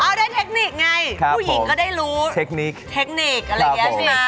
เอ้าได้เทคนิคไงผู้หญิงก็ได้รู้เทคนิคอะไรแบบนี้นะ